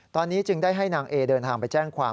ตอนนี้จึงได้ให้นางเอเดินทางไปแจ้งความ